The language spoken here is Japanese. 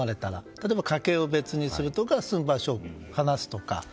例えば、家計を別にするとか住む場所を離すとか。